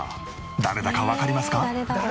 誰だかわかりますか？